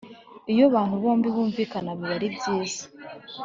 iyo abantu bombi bumvikana biba ari byiza